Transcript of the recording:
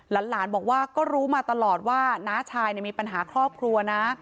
หลานบอกว่าก็รู้มาตลอดว่าน้าชายมีปัญหาครอบครัวนะ